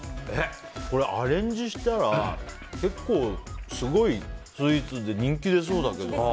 アレンジしたら結構すごいスイーツで人気出そうだけど。